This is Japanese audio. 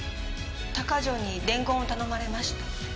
鷹城に伝言を頼まれました。